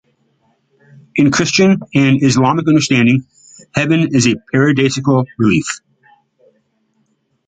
In Christian and Islamic understanding, Heaven is a paradisaical relief.